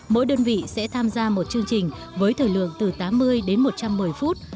mỗi đơn vị sẽ tham gia một chương trình với thời lượng từ tám mươi đến một trăm một mươi phút